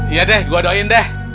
iya deh gue doain deh